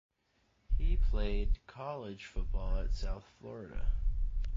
He played college football at South Florida.